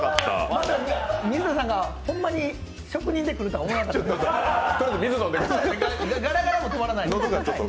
まさか水田さんが、ホンマに職人で来るとは思わなかった。